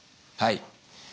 はい。